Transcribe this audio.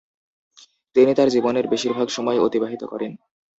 তিনি তার জীবনের বেশিরভাগ সময় অতিবাহিত করেন।